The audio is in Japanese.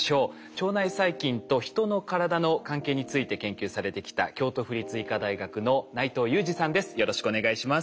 腸内細菌と人の体の関係について研究されてきた京都府立医科大学の内藤裕二さんです。